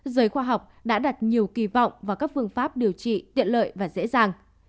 giới khoa học đã đặt nhiều kỳ vọng vào các phương pháp điều trị tiện lợi và dễ dàng